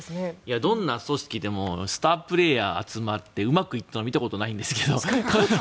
どんな組織でもスタープレーヤーが集まってうまくいったのを見たことがないんですけど。